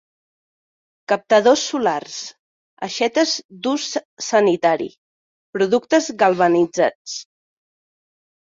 Captadors solars, aixetes d'ús sanitari, productes galvanitzats.